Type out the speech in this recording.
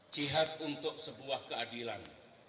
jihad untuk sebuah keadilan